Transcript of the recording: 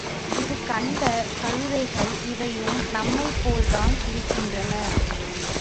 இதுகண்ட கழுதைகள், இவையும் நம்மைப் போல் தான் இருக்கின்றன.